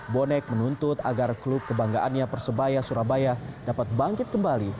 bonek menuntut agar klub kebanggaannya persebaya surabaya dapat bangkit kembali